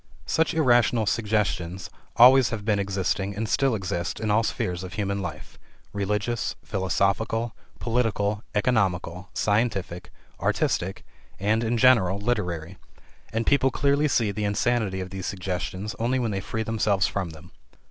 Such irrational "suggestions" always have been existing, and still exist, in all spheres of human life religious, philosophical, political, economical, scientific, artistic, and, in general, literary and people clearly see the insanity of these suggestions only when they free themselves from them.